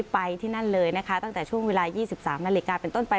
ไปที่นั่นเลยนะคะตั้งแต่ช่วงเวลา๒๓นาฬิกาเป็นต้นไป